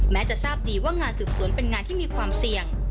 แม้จะทราบดีว่างานสืบสวนเป็นงานที่มีความเสี่ยง